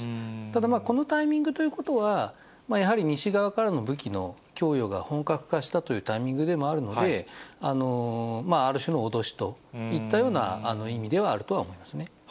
ただ、このタイミングということは、やはり西側からの武器の供与が本格化したというタイミングでもあるので、ある種の脅しといったような意味ではあると思いますね。